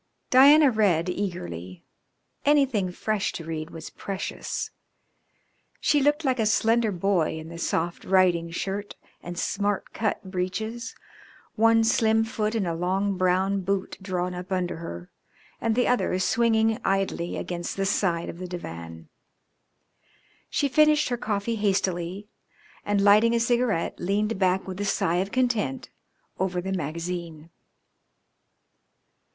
Diana read eagerly. Anything fresh to read was precious. She looked like a slender boy in the soft riding shirt and smart cut breeches, one slim foot in a long brown boot drawn up under her, and the other swinging idly against the side of the divan. She finished her coffee hastily, and, lighting a cigarette, leaned back with a sigh of content over the magazine.